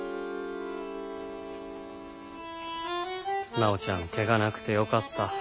真央ちゃん怪我なくてよかった。